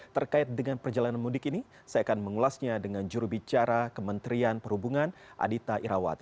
terkait dengan perjalanan mudik ini saya akan mengulasnya dengan jurubicara kementerian perhubungan adita irawati